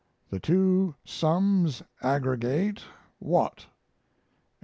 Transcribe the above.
The two sums aggregate what?